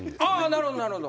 なるほどなるほど。